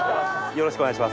よろしくお願いします。